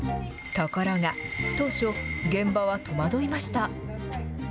ところが、当初、現場は戸惑いました。